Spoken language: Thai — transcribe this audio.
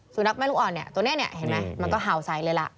สุนัขแม่ลูกอ่อนเนี่ยตัวนี้เนี่ยเห็นไหมมันก็เห่าใสเลยล่ะ